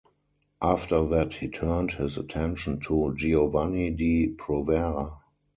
After that he turned his attention to Giovanni di Provera.